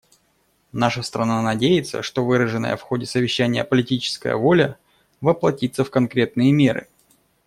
Наша страна надеется, что выраженная в ходе Совещания политическая воля воплотится в конкретные меры.